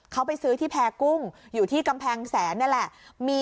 เขาไปซื้อที่แพร่กุ้งอยู่ที่กำแพงแสนนี่แหละ